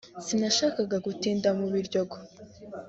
sinashakaga gutinda mu Biryogo